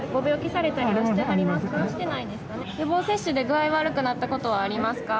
予防接種で具合悪くなったことはありますか。